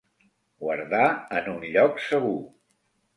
Guardar en un lloc segur.